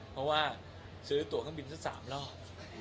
เพราะว่าซื้อตัวข้ามบินเสีย๓รอบ